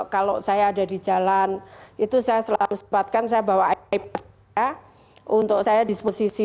kalau saya ada di jalan itu saya selalu sempatkan saya bawa ip untuk saya disposisi